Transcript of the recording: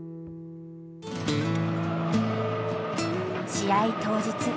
試合当日。